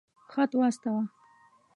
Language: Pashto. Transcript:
خط واستاوه.